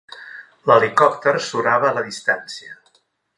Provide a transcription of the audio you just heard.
L'helicòpter surava a la distància.